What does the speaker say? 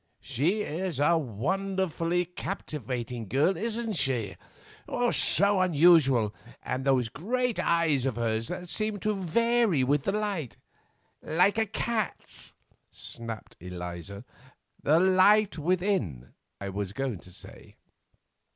"She is a wonderfully captivating girl, isn't she? So unusual, with those great eyes of hers that seem to vary with the light——" "Like a cat's," snapped Eliza. "The light within—I was going to say."